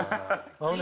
あのね